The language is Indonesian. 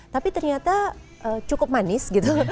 tapi ternyata cukup manis gitu